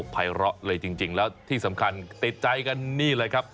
ภัยเลาะเลยจริงแล้วที่สำคัญติดใจกันนี่เลยครับ